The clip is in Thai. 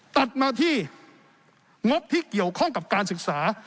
ตัดมาที่งบที่เกี่ยวข้องกับการศึกษา